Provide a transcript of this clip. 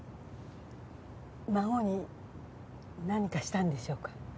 孫に何かしたんでしょうか？